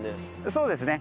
そうですね。